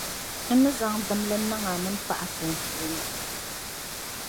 n ni zaŋ dimli niŋ a mini paɣa sunsuuni.